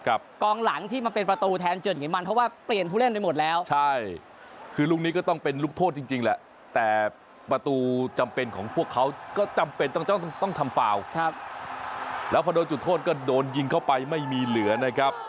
ครับกองหลังที่มาเป็นประตูแทนเจินเห็นมันเพราะว่าเปลี่ยนภูเล่นไปหมดแล้ว